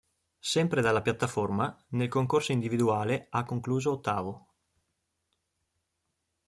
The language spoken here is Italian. Sempre dalla piattaforma, nel concorso individuale ha concluso ottavo.